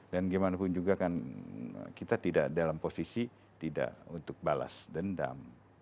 dan kita tidak dalam posisi untuk balas dendam